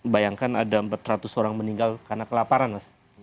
bayangkan ada empat ratus orang meninggal karena kelaparan mas